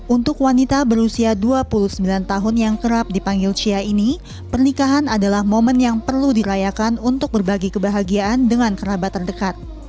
untuk wanita berusia dua puluh sembilan tahun yang kerap dipanggil cia ini pernikahan adalah momen yang perlu dirayakan untuk berbagi kebahagiaan dengan kerabat terdekat